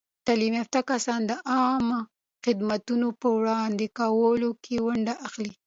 تعلیم یافته کسان د عامه خدمتونو په وړاندې کولو کې ونډه اخلي.